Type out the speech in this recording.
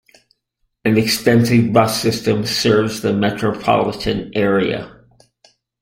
An extensive bus system serves the metropolitan area.